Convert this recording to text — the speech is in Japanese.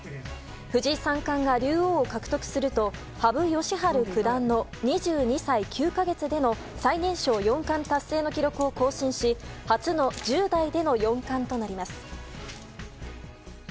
藤井三冠が竜王を獲得すると羽生善治九段の２２歳９か月での最年少四冠達成の記録を更新し初の１０代での四冠となります。